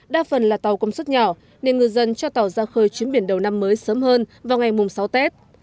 đa phần là tàu công suất nhỏ nên ngư dân cho tàu ra khơi chuyến biển đầu năm mới sớm hơn vào ngày mùng sáu tết